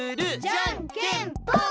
じゃんけんぽん！